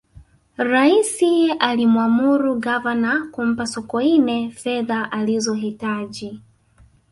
raisi alimwamuru gavana kumpa sokoine fedha alizohitaji